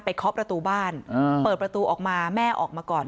เคาะประตูบ้านเปิดประตูออกมาแม่ออกมาก่อน